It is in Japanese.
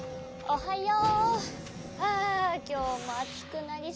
おはよう！